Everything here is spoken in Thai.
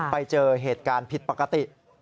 ไปเจอเหตุการณ์ผิดปกติ